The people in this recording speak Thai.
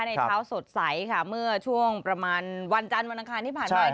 ในเช้าสดใสค่ะเมื่อช่วงประมาณวันจันทร์วันอังคารที่ผ่านมา